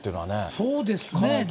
そうですね。